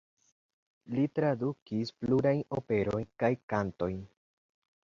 Li tradukis plurajn operojn kaj kantojn.